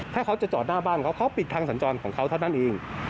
ถ้าเขาจะจอดหน้าบ้านเขาเขาปิดทางสัญจรของเขาเท่านั้นเอง